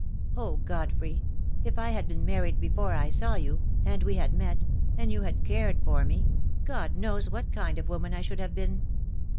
Oh, Godfrey! if I had been married before I saw you — and we had met — and you had cared for me— God knows what kind of woman I should have been.